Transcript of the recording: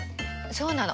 そうなの。